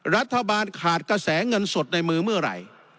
รัฐบาลขาดกระแสเงินสดในมือเมื่อไหร่